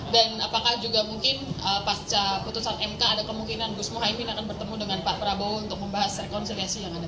dan apakah juga mungkin pasca putusan mk ada kemungkinan gus muhaymin akan bertemu dengan pak prabowo untuk membahas rekonsiliasi yang ada